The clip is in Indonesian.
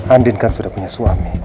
andin kan sudah punya suami